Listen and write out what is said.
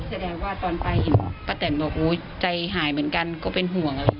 แสดงว่าตอนไปพระเต่นบอกโอ๊ยใจหายเหมือนกันก็เป็นห่วงอะไร